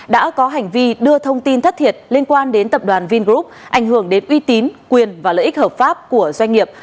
đã có hành vi đưa thông tin thất thiệt liên quan đến tập đoàn vingroup ảnh hưởng đến uy tín quyền và lợi ích hợp pháp của doanh nghiệp